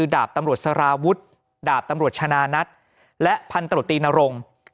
ดาบตำรวจชนะนัทและพันธุ์ตรีนรง